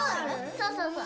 そうそうそう。